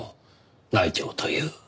内調という。